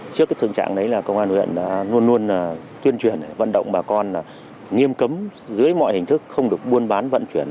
trước cái thương trạng đấy là công an huyện luôn luôn tuyên truyền vận động bà con nghiêm cấm dưới mọi hình thức không được buôn bán vận chuyển